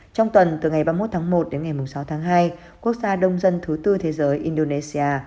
trong tuần từ ngày ba mươi một tháng một đến ngày sáu tháng hai quốc gia đông dân thứ tư thế giới indonesia